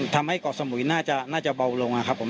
ทำให้เกาะสมุยน่าจะเบาลงนะครับผม